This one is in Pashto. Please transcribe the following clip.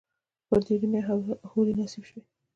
پر دې دنیا یې حوري نصیب سوې